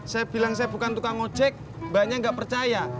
saya bilang saya bukan tukang ojek mbaknya nggak percaya